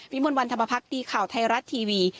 มนต์วันธรรมพักดีข่าวไทยรัฐทีวี